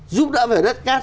giúp đỡ về đất cát